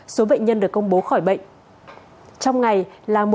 số bệnh nhân được công bố khỏi bệnh